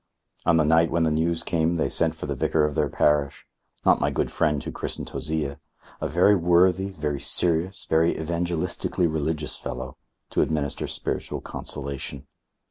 On the night when the news came they sent for the vicar of their parish not my good friend who christened Hosea a very worthy, very serious, very evangelistically religious fellow, to administer spiritual consolation.